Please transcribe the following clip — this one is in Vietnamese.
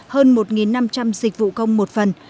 hơn một năm trăm linh dịch vụ công một phần